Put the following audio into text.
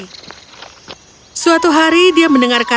lalu babino pergi ke hutan lagi dan mengembara selama beberapa minggu lagi